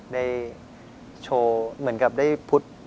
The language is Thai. ได้โชว์เหมือนกับได้พุทธ